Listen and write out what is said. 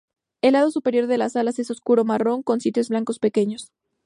El lado superior de las alas es oscuro marrón con sitios blancos pequeños.